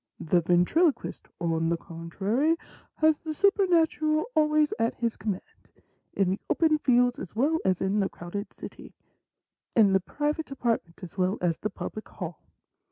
The ventriloquist, on the contrary, has the supernatural always at his command, in the open fields as well as in the crowded city ; in the private apartment as well as in the public hall.